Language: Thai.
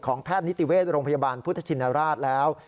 แพทย์นิติเวชโรงพยาบาลพุทธชินราชแล้ว